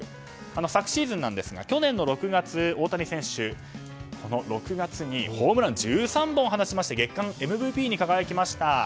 昨シーズンですが去年６月大谷選手、６月にホームラン１３本放ちまして月間ＭＶＰに輝きました。